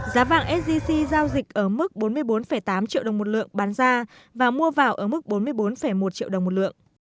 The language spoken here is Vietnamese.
giá vàng sgc giao dịch ở mức bốn mươi bốn tám triệu đồng một lượng bán ra và mua vào ở mức bốn mươi bốn một triệu đồng một lượng